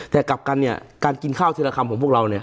แต่กลับกันเนี่ยการกินข้าวทีละคำของพวกเราเนี่ย